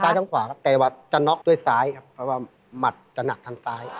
สาขาดลงขวาแต่ว่าจะน็อกด้วยซ้ายครับเพราะว่าแหมดจะหนักทางซ้าย